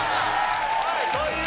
はい。